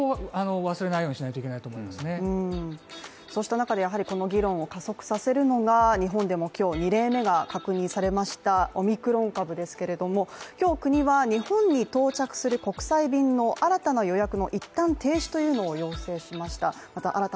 そうした中でやはりこの議論を加速させるのが日本でも今日２例目が確認されましたオミクロン株ですけれども、今日国は日本に到着する国際便の新たな予約の一旦停止というのを要請しました。